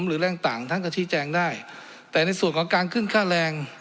หรือแรงต่างท่านก็ชี้แจงได้แต่ในส่วนของการขึ้นค่าแรง